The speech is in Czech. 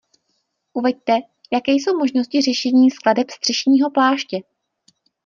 Uveďte, jaké jsou možnosti řešení skladeb střešního pláště.